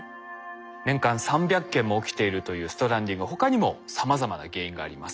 年間３００件も起きているというストランディング他にもさまざまな原因があります。